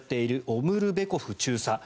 オムルベコフ中佐